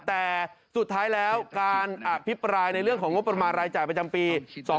แต่สุดท้ายแล้วการอภิปรายในเรื่องของงบประมาณรายจ่ายประจำปี๒๕๖